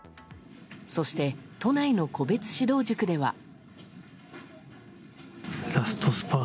そして都内の個別指導塾では。